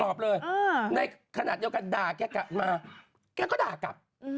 เลยในขณะเดียวกันด่าแกกลับมาแกก็ด่ากลับ